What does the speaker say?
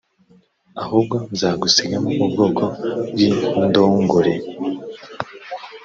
ahubwo nzagusigamo ubwoko bw indogore